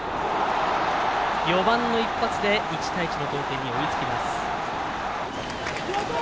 ４番の一発で１対１の同点に追いつきます。